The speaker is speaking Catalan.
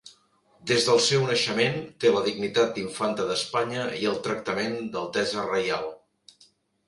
Des del seu naixement té la dignitat d'infanta d'Espanya i el tractament d'Altesa Reial.